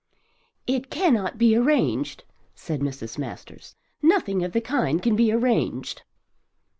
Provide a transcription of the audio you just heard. "It cannot be arranged," said Mrs. Masters. "Nothing of the kind can be arranged."